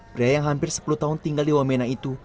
pria yang hampir sepuluh tahun tinggal di wamena itu